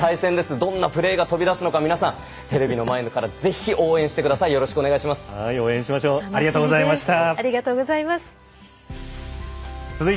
どんなプレーが飛び出すのか皆さん、テレビの前からぜひ応援してください。